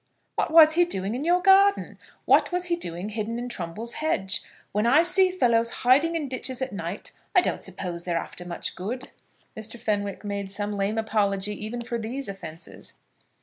"What was he doing in your garden? What was he doing hidden in Trumbull's hedge? When I see fellows hiding in ditches at night, I don't suppose that they're after much good." Mr. Fenwick made some lame apology, even for these offences.